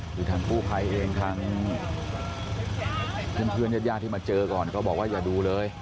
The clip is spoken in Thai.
คือทางกู้ภัยเองทางเพื่อนญาติญาติที่มาเจอก่อนก็บอกว่าอย่าดูเลย